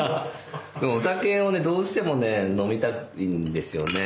お酒をねどうしてもね飲みたいんですよね。